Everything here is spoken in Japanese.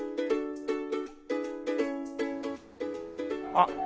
あっ。